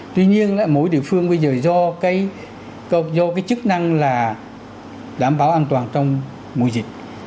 tuy nhiên mỗi địa phương bây giờ do cái chức năng là đảm bảo an toàn trong mùa dịch